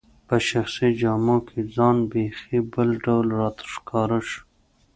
په شخصي جامو کي ځان بیخي بل ډول راته ښکاره شو.